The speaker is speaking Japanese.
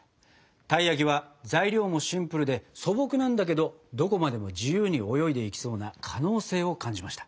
たい焼きは材料もシンプルで素朴なんだけどどこまでも自由に泳いでいきそうな可能性を感じました。